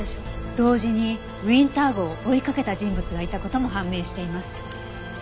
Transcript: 同時にウィンター号を追いかけた人物がいた事も判明しています。